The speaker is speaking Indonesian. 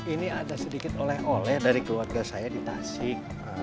ini ada sedikit oleh oleh dari keluarga saya di tasik